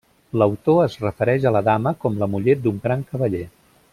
L’autor es refereix a la dama com la muller d’un gran cavaller.